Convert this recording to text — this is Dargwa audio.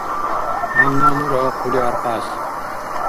Гьанна нура хъули аркьяс.